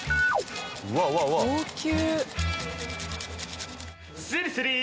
高級！